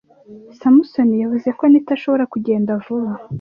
Samusoni yavuze ko Anita ashobora kugenda vuba?